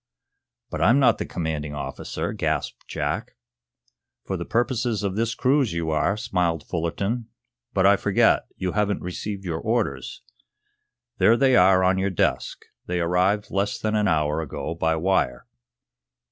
"But I'm not the commanding officer," gasped Jack. "For the purposes of this cruise you are," smiled Fullerton. "But I forget. You haven't received your orders. There they are on your desk. They arrived less than an hour ago by wire."